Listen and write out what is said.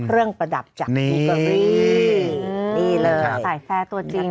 เรื่องประดับจากนี่เลยสายแฟตัวจริง